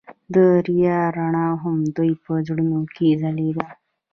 د دریا رڼا هم د دوی په زړونو کې ځلېده.